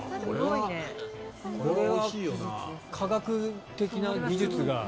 これは科学的な技術が。